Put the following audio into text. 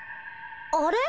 あれ？